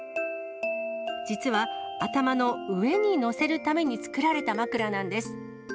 実は、頭の上に載せるために作られた枕なんです。